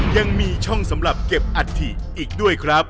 ยังมีช่องสำหรับเก็บอัฐิอีกด้วยครับ